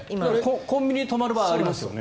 コンビニで止まる場合ありますよね。